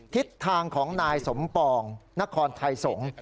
ทิศทางของนายสมปองนครไทยสงศ์